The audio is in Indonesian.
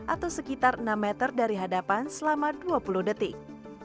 atau sekitar enam meter dari hadapan selama dua puluh detik